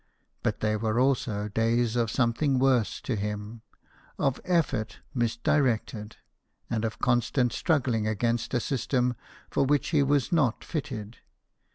But they were also days of something worse to him of effort misdirected, and of con stant struggling against a system for which he was not fitted.